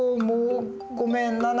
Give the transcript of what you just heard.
もうごめん。